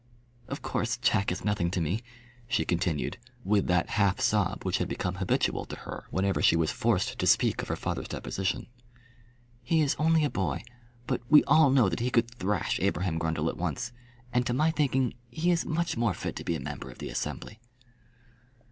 "Of course Jack is nothing to me," she continued, with that half sob which had become habitual to her whenever she was forced to speak of her father's deposition. "He is only a boy, but we all know that he could thrash Abraham Grundle at once. And to my thinking he is much more fit to be a member of the Assembly."